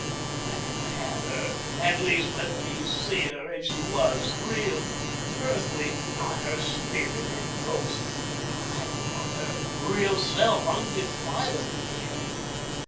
If I cannot have her, at least let me see her as she was, real, earthly, not her spirit, her ghost. I want her real self, undefiled again.